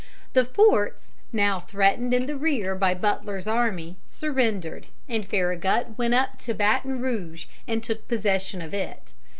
The forts, now threatened in the rear by Butler's army, surrendered, and Farragut went up to Baton Rouge and took possession of it.